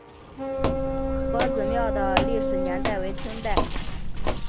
佛子庙的历史年代为清代。